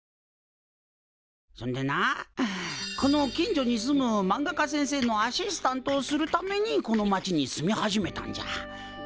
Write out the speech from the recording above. そんでなこの近所に住むまんが家先生のアシスタントをするためにこの町に住み始めたんじゃ。